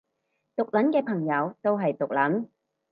毒撚嘅朋友都係毒撚